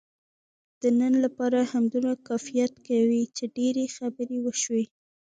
د نن لپاره همدومره کفایت کوي، چې ډېرې خبرې وشوې.